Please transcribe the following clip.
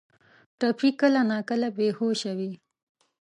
ټپي کله ناکله بې هوشه وي.